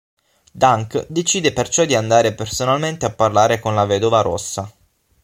Dunk decide perciò di andare personalmente a parlare con la Vedova Rossa.